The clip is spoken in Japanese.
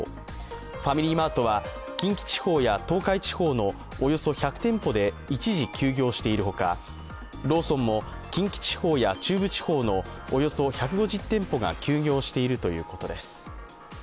ファミリーマートは近畿地方や東海地方のおよそ１００店舗で一時休業しているほかローソンも近畿地方や中部地方のおよそ１５０店舗が休業しているということです。